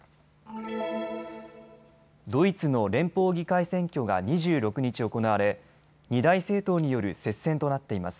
ドイツの連邦議会選挙が２６日行われ二大政党による接戦となっています。